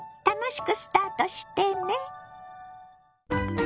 楽しくスタートしてね。